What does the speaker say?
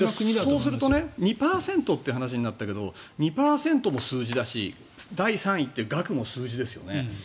そうするとね２％という話になったけど２％も数字だし第３位という額も数字ですよね。